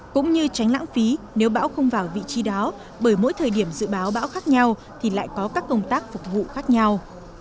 cũng như tránh lãng phí nếu bão không vào vị trí đó bởi mỗi thời điểm dự báo bão khác nhau thì lại có các công tác phục vụ khác nhau